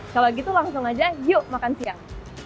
kalau gitu langsung aja yuk makan siang